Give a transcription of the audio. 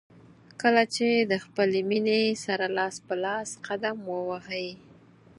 کله چې د خپلې مینې سره لاس په لاس قدم ووهئ.